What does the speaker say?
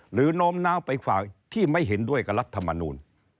หรือนโน้มเนาไปทางฝ่ายที่ไม่เห็นด้วยกับรัฐธรรมนูล